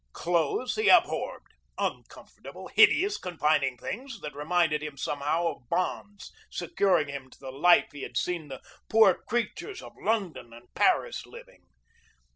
Clothes he abhorred uncomfortable, hideous, confining things that reminded him somehow of bonds securing him to the life he had seen the poor creatures of London and Paris living.